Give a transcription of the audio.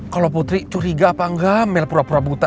kalau putri curiga apa enggak mel pura pura buta